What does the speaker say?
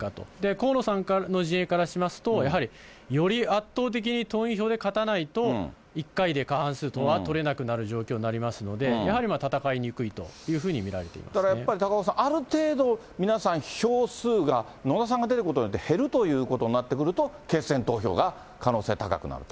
河野さんの陣営からしますと、やはりより圧倒的に党員票で勝たないと、１回で過半数が取れなくなる状況になりますので、やはり戦いにくだからやっぱり、高岡さん、ある程度やっぱり、皆さん、票数が、野田さんが出ることによって減るということになってくると、決選投票が可能性高くなると。